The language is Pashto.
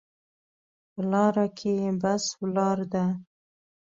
په لاره کې بس ولاړ ده